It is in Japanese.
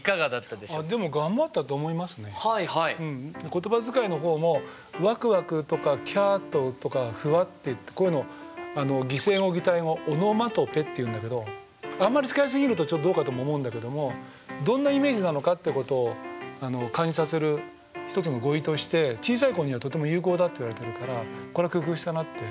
言葉遣いの方も「ワクワク」とか「キャっと」とか「フワッ」てこういうの擬声語・擬態語オノマトペっていうんだけどあんまり使い過ぎるとちょっとどうかとも思うんだけどもどんなイメージなのかってことを感じさせる一つの語彙として小さい子にはとても有効だといわれてるからこれは工夫したなって。